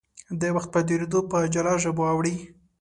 د وخت په تېرېدو په جلا ژبو اوړي.